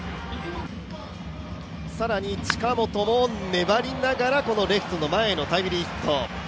更に近本も粘りながらレフトの前のタイムリーヒット。